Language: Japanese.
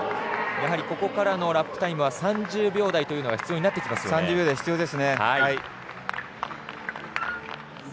ここからのラップタイムは３０秒台というのが必要になってきますね。